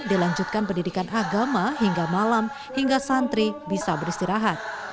dilanjutkan pendidikan agama hingga malam hingga santri bisa beristirahat